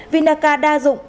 vinaca đa dụng